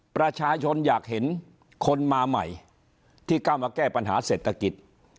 ประชาชนอยากเห็นคนมาใหม่ที่ก้าวมาแก้ปัญหาเศรษฐกิจ